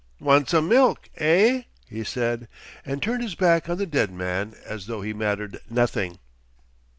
"Wan' some milk, eh?" he said, and turned his back on the dead man as though he mattered nothing.